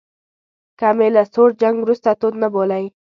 که مې له سوړ جنګ وروسته تود نه بولئ.